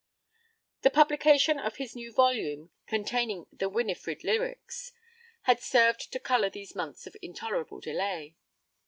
The publication of his new volume containing the Winifred lyrics had served to colour these months of intolerable delay.